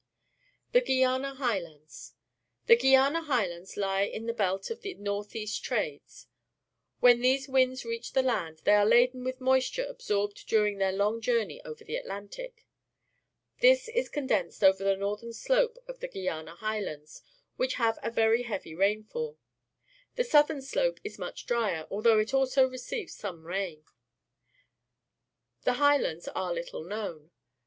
The Guiana Highlands. — The Guiana High lands lie in tlie belt of the north east trades. When these winds reach the land, they are laden with moisture absorbed during their long journey over the Atlantic. This is condensed over the northern slope of the Guiana Highlands, which have a very heavy rainfall. The southern slope is much drier, although it also receives some rain. The High lands are little known.